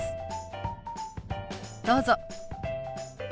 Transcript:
どうぞ。